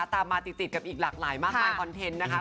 ตามมาติดกับอีกหลากหลายมากมายคอนเทนต์นะคะ